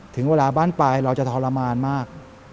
ถึงเวลาบ้านปลายเราจะทรมานมาก